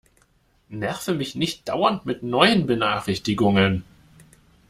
Nerve mich nicht dauernd mit neuen Benachrichtigungen!